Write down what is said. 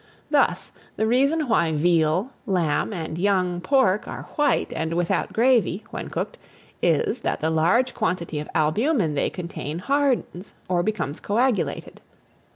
Thus, the reason why veal, lamb, and young pork are white, and without gravy when cooked, is, that the large quantity of albumen they contain hardens, or becomes coagulated.